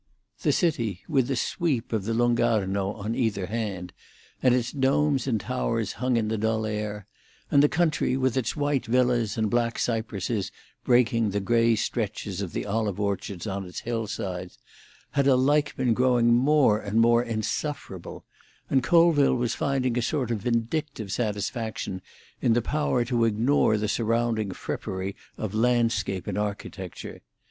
The city, with the sweep of the Lung' Arno on either hand, and its domes and towers hung in the dull air, and the country with its white villas and black cypresses breaking the grey stretches of the olive orchards on its hill sides, had alike been growing more and more insufferable; and Colville was finding a sort of vindictive satisfaction in the power to ignore the surrounding frippery of landscape and architecture.